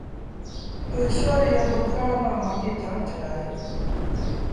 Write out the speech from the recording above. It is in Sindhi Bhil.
تا ايٚشور ايئي ٻڪرآڙ مآݩ مآݩجيٚ جآن ڇڏآ۔